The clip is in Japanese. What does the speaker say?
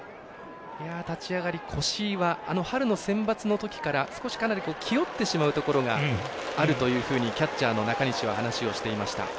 立ち上がり、越井は春のセンバツのときから少し気負ってしまうところがあるというところがキャッチャーの中西は話をしていました。